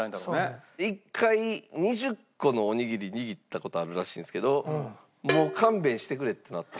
１回２０個のおにぎり握った事あるらしいんですけど「もう勘弁してくれ」ってなった熱すぎて。